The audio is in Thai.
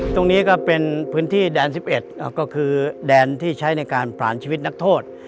ตรงนี้ก็เป็นพื้นที่แดน๑๑ก็คือแดนที่ใช้ในการผ่านชีวิตนักโทษ